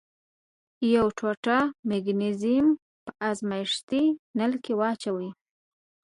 یوه ټوټه مګنیزیم په ازمیښتي نل کې واچوئ.